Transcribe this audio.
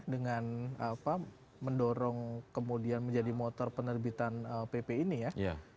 dengan mendorong kemudian menjadi motor penerbitan pp ini ya